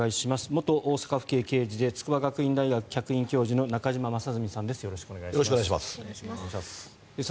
元大阪府警刑事で筑波大学客員教授の中島正純さんです。